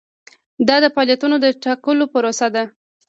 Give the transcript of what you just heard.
دا د فعالیتونو د ټاکلو پروسه ده.